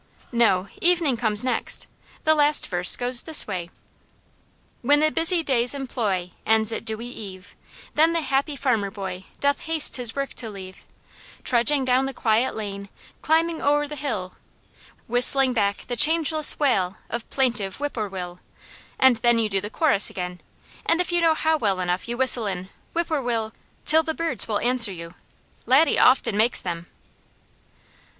"No, evening comes yet. The last verse goes this way: "'When the busy day's employ, ends at dewy eve, Then the happy farmer boy, doth haste his work to leave, Trudging down the quiet lane, climbing o'er the hill, Whistling back the changeless wail, of plaintive whip poor will,' and then you do the chorus again, and if you know how well enough you whistle in, 'whip poor will,' 'til the birds will answer you. Laddie often makes them."